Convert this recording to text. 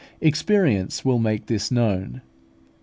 Experience will make this known.